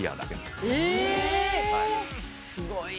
すごいな。